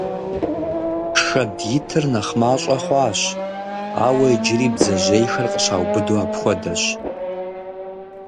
Шэд итыр нэхъ мащӀэ хъуащ, ауэ иджыри бдзэжьейхэр къыщаубыду апхуэдэщ.